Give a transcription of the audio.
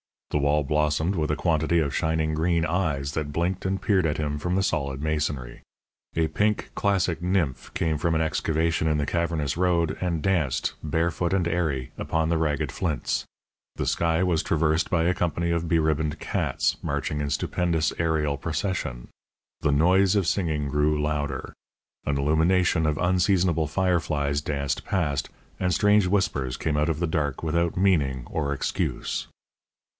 The wall blossomed with a quantity of shining green eyes that blinked and peered at him from the solid masonry. A pink, classic nymph came from an excavation in the cavernous road and danced, barefoot and airy, upon the ragged flints. The sky was traversed by a company of beribboned cats, marching in stupendous, aërial procession. The noise of singing grew louder; an illumination of unseasonable fireflies danced past, and strange whispers came out of the dark without meaning or excuse.